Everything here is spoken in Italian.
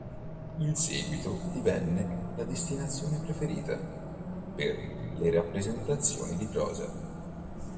In seguito divenne la destinazione preferita per le rappresentazioni di prosa.